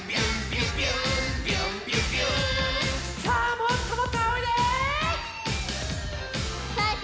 もっともっとあおいで！